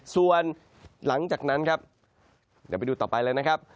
ส่วนหลังจากนั้นครับเดี๋ยวไปดูต่อไปเลยนะครับ